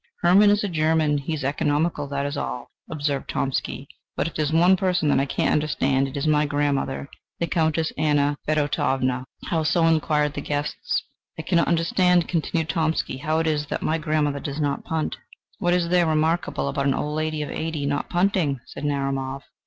"Hermann is a German: he is economical that is all!" observed Tomsky. "But if there is one person that I cannot understand, it is my grandmother, the Countess Anna Fedotovna." "How so?" inquired the guests. "I cannot understand," continued Tomsky, "how it is that my grandmother does not punt." "What is there remarkable about an old lady of eighty not punting?" said Narumov.